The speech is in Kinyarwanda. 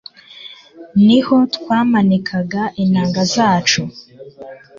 ni ho twamanikaga inanga zacu